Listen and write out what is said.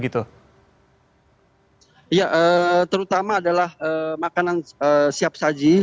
terutama adalah makanan siap saji